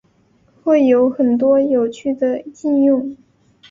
会有很多有趣的应用